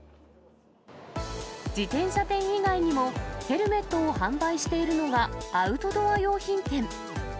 自転車店以外にもヘルメットを販売しているのがアウトドア用品店。